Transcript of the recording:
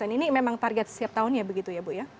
ini memang target setiap tahunnya begitu ya bu ya